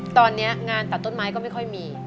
ตอนนี้งานตัดต้นไม้ก็ไม่ค่อยมี